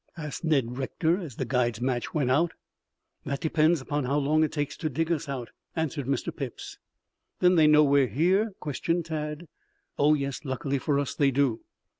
asked Ned Rector as the guide's match went out. "That depends upon how long it takes to dig us out," answered Mr. Phipps. "Then they know we are here?" questioned Tad. "Oh, yes. Luckily for us, they do."